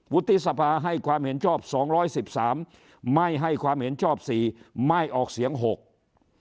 วุฒิษภาให้ความเห็นชอบ๒๑๓คะแนนไม่ให้ความเห็นชอบ๔คะแนนไม่ออกเสียง๖คะแนน